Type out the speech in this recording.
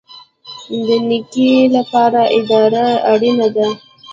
د نیکۍ لپاره اراده اړین ده